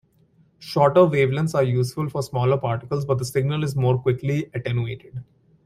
Shorter wavelengths are useful for smaller particles, but the signal is more quickly attenuated.